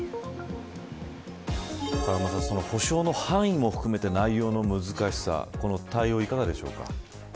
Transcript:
風間さん、補償の範囲も含めて内容の難しさこの対応、いかがでしょうか。